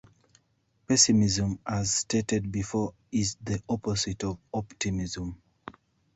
Pessimism as stated before is the opposite of optimism.